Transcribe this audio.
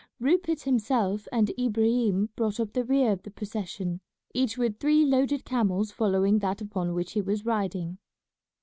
Rupert himself and Ibrahim brought up the rear of the procession, each with three loaded camels following that upon which he was riding.